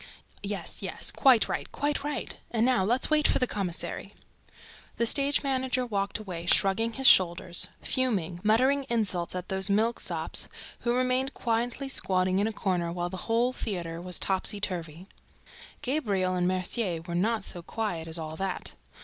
"Yes, yes, quite right, quite right. And now let's wait for the commissary." The stage manager walked away, shrugging his shoulders, fuming, muttering insults at those milksops who remained quietly squatting in a corner while the whole theater was topsyturvy. Gabriel and Mercier were not so quiet as all that.